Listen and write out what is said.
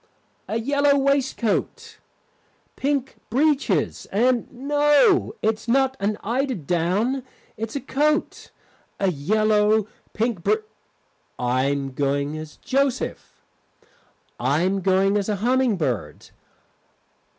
A yellow waistcoat, pink breeches, and no, it's not an eider down, it's a coat. A yellow Pink br I am going as Joseph. I am going as a humming bird.